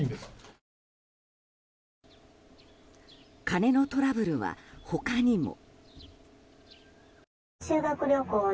金のトラブルは他にも。